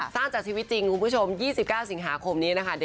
สร้างจากชีวิตจริงคุณผู้ชม๒๙สิงหาคมนี้นะคะ